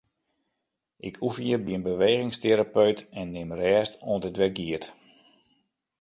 Ik oefenje by in bewegingsterapeut en nim rêst oant it wer giet.